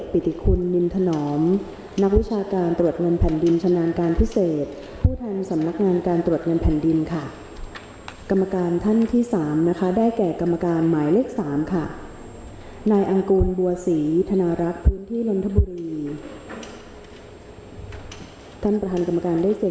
ผู้โมยการสำนักงานประปศคร